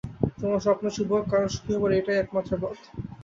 তোমার স্বপ্ন শুভ হোক, কারণ সুখী হবার এটাই একমাত্র পথ।